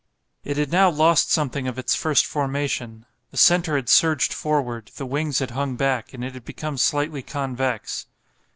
It had now lost something of its first formation. The centre had surged forward, the wings had hung back, and it had become slightly convex.